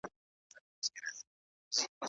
مخطی یا خطاوتلی شخص څوک دی؟